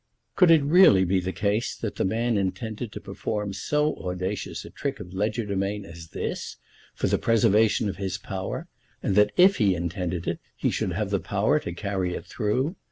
Could it really be the case that the man intended to perform so audacious a trick of legerdemain as this for the preservation of his power, and that if he intended it he should have the power to carry it through?